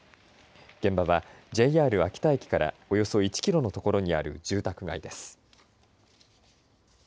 現場はＪＲ秋田駅からおよそ１キロのところにある住宅街です。